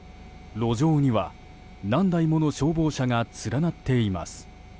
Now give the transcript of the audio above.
路上には何台もの消防車が連なっています。